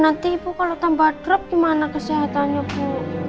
nanti ibu kalau tambah drup gimana kesehatannya bu